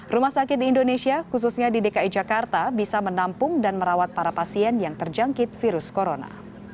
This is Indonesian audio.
rumah sakit di indonesia khususnya di dki jakarta bisa menampung dan merawat para pasien yang terjangkit virus corona